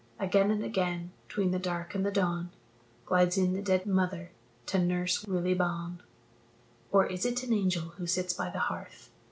Again and again, 'tween the dark and the dawn, Glides in the dead mother to nurse Willie Bawn: Or is it an angel who sits by the hearth?